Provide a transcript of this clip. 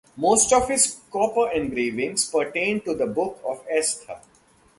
Most of his copper engravings pertain to the Book of Esther.